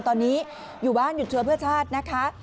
ตอนนี้อยู่บ้านหยุดเชื้อเพื่อชาตินะคะ